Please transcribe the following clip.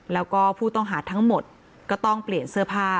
แล้วก็ผู้ต้องหาทั้งหมดก็ต้องเปลี่ยนเสื้อผ้า